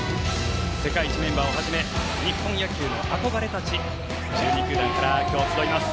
世界一メンバーをはじめ日本野球の憧れたち１２球団から今日集います。